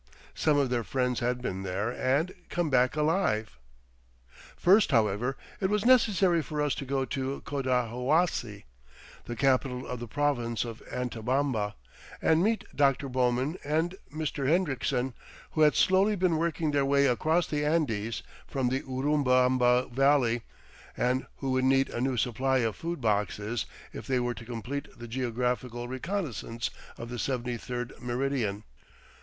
Some of their friends had been there and come back alive! First, however, it was necessary for us to go to Cotahuasi, the capital of the Province of Antabamba, and meet Dr. Bowman and Mr. Hendriksen, who had slowly been working their way across the Andes from the Urubamba Valley, and who would need a new supply of food boxes if they were to complete the geographical reconnaissance of the 73d meridian.